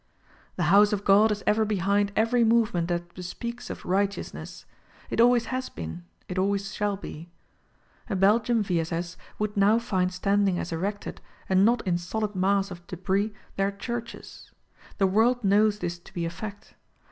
The house of God is ever behind every movement that bespeaks of right eousness. It always has been, it always shall be. A Belgium V. S. S. would now find Sitanding as erected, and not in solid mass of debris their churches. The world knows this to be a fact.